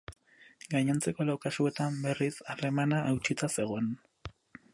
Gainontzeko lau kasuetan, berriz, harremana hautsita zegoen.